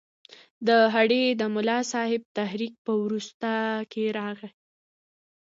د هډې د ملاصاحب تحریک په وروسته کې راغی.